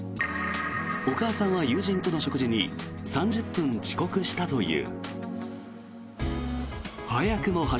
お母さんは友人との食事に３０分遅刻したという。